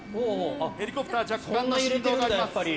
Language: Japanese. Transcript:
ヘリコプター若干の振動があります。